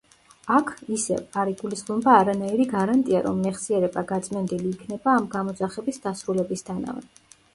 აქ, ისევ, არ იგულისხმება არანაირი გარანტია, რომ მეხსიერება გაწმენდილი იქნება ამ გამოძახების დასრულებისთანავე.